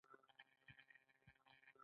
د سرو زرو مارکیټونه تل ګرم وي